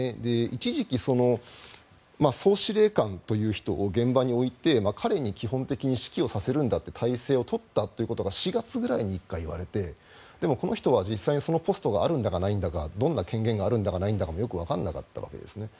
一時期、総司令官という人を現場に置いて彼に基本的に指揮をさせるんだという体制を取ったということが４月ぐらいに１回言われてでもこの人は実際にそのポストがあるんだかないんだかどんな権限があるんだかないんだかもよくわからなかったわけです。